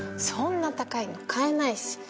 そんな高いの買えないし。